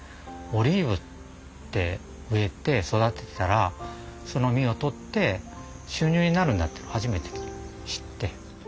オリーブって植えて育ててたらその実を採って収入になるんだっていうの初めて知って。